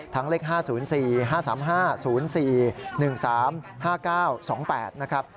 เลข๕๐๔๕๓๕๐๔๑๓๕๙๒๘นะครับ